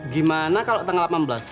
gimana kalau tanggal delapan belas